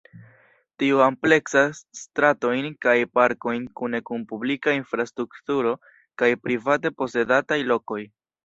Tio ampleksas stratojn kaj parkojn kune kun publika infrastrukturo kaj private-posedataj lokoj.